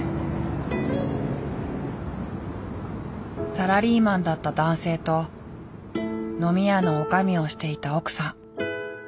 サラリーマンだった男性と飲み屋のおかみをしていた奥さん。